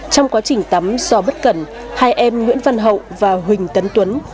trong quá trình tắm do bất cần hai em nguyễn văn hậu và huỳnh tấn tuấn